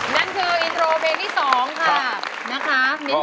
นั่นคืออินโทรเพลงที่๒ค่ะนะคะนินทราบครับ